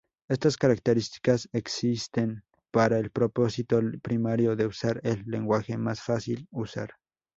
Estas características existen para el propósito primario de hacer el lenguaje más fácil usar.